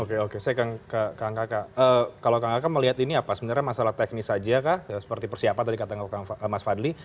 oke oke saya ke kang kakak kalau kang aka melihat ini apa sebenarnya masalah teknis saja kah seperti persiapan tadi kata mas fadli